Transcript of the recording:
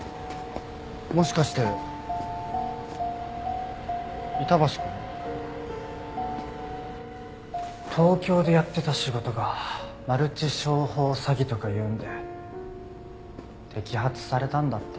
もしかして板橋くん？東京でやってた仕事がマルチ商法詐欺とかいうんで摘発されたんだって。